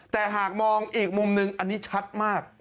แต่หากมองอีกมุมนึงอันนี้ชัดมาก